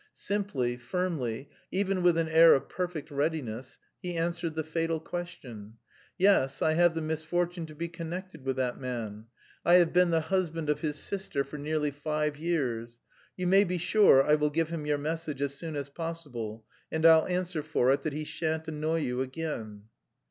Simply, firmly, even with an air of perfect readiness, he answered the fatal question: "Yes, I have the misfortune to be connected with that man. I have been the husband of his sister for nearly five years. You may be sure I will give him your message as soon as possible, and I'll answer for it that he shan't annoy you again."